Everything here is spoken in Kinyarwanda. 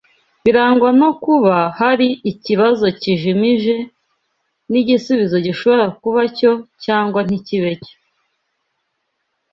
Birangwa no kuba hari ikibazo kijimije n’igisubizo gishobora kuba cyo cyagwa ntikibe cyo